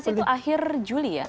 itu akhir juli ya